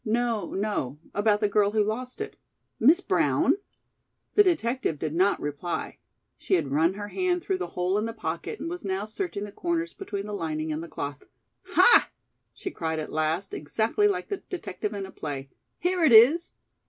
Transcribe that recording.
"No, no; about the girl who lost it." "Miss Brown?" The detective did not reply. She had run her hand through the hole in the pocket and was now searching the corners between the lining and the cloth. "Ha!" she cried at last, exactly like the detective in a play. "Here it is!"